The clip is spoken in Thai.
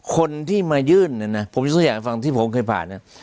คนที่มายื่นเนี่ยนะผมยกตัวอย่างฟังที่ผมเคยผ่าน